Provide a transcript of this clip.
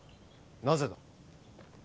なぜだ？